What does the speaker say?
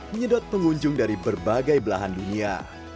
menyedot pengunjung dari berbagai belahan dunia